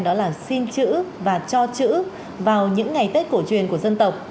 đó là xin chữ và cho chữ vào những ngày tết cổ truyền của dân tộc